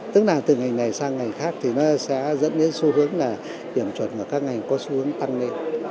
tức là từ ngành này sang ngành khác thì nó sẽ dẫn đến xu hướng là điểm chuẩn của các ngành có xu hướng tăng lên